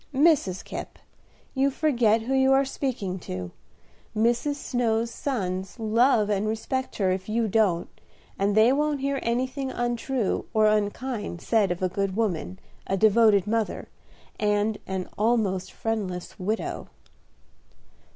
"Mrs. Kipp, you forget who you are speaking to. Mrs. Snow's sons love and respect her if you don't, and they won't hear anything untrue or unkind said of a good woman, a devoted mother, and an almost friendless widow."